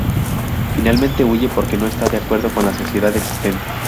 Finalmente huye, porque no está de acuerdo con la sociedad existente.